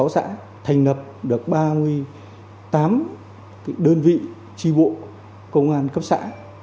tám mươi sáu xã thành lập được ba mươi tám đơn vị tri bộ công an cấp xã